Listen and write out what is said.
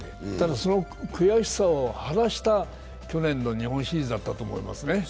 その悔しさを晴らした去年の日本シリーズだったと思いますね。